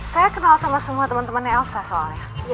saya kenal sama semua temen temennya elsa soalnya